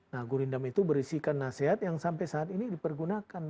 nah gurindam itu berisikan nasihat yang sampai saat ini dipergunakan